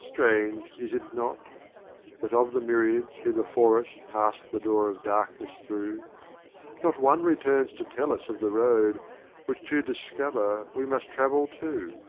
LXIV. Strange, is it not? that of the myriads who Before us pass'd the door of Dark ness through, Not one returns to tell us of the Road, Which to discover we must travel too.